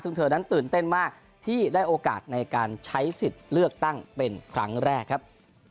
ซึ่งเธอนั้นตื่นเต้นมากที่ได้โอกาสในการใช้สิทธิ์เลือกตั้งเป็นครั้งแรกครับ